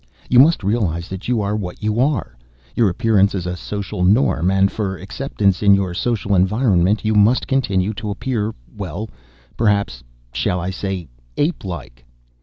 "You must realize that you are what you are. Your appearance is a social norm, and for acceptance in your social environment you must continue to appear, well, perhaps, shall I say apelike?"